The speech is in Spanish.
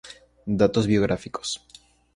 Datos biográficos.